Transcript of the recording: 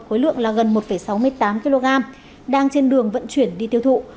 khối lượng là gần một sáu mươi tám kg đang trên đường vận chuyển đi tiêu thụ